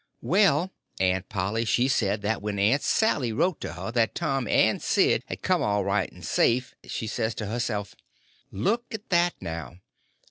Well, Aunt Polly she said that when Aunt Sally wrote to her that Tom and Sid had come all right and safe, she says to herself: "Look at that, now!